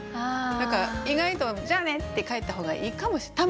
だから意外と「じゃあね」って帰った方がいいかもしれない。